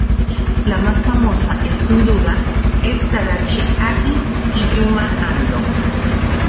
La más famosa es sin duda es Tadashi Agi y Yuma Ando.